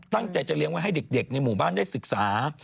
ตั้งใจจะเลี้ยงไว้ให้เด็กในหมู่บ้านได้ศึกษา